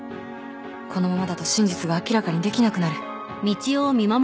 このままだと真実が明らかにできなくなる